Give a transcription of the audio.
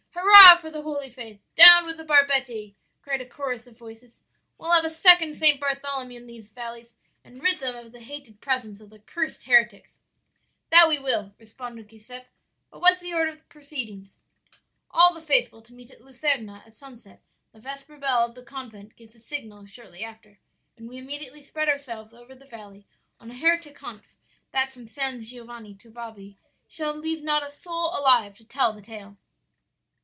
Hurrah for the holy faith! Down with the barbetti!' cried a chorus of voices. 'We'll have a second St. Bartholomew in these valleys and rid them of the hated presence of the cursed heretics.' "'That we will,' responded Giuseppe. 'But what's the order of proceedings?' "'All the faithful to meet at Luserna at sunset; the vesper bell of the convent gives the signal shortly after, and we immediately spread ourselves over the valley on a heretic hunt that from San Giovanni to Bobbi shall leave not a soul alive to tell the tale.'